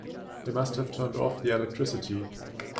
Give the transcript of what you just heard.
They must have turned off the electricity.